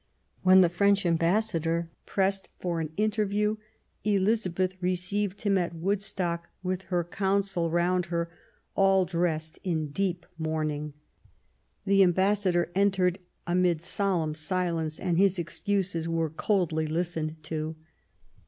When the French ambas sador pressed for an interview, Elizabeth received him at Woodstock, with her Council around her, all dressed in deep mourning. The ambassador entered amid solemn silence, and his excuses were coldly listened to.